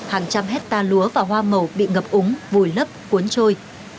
hàng trăm hecta lúa và hoa màu bị ngập úng vùi lấp cuốn trôi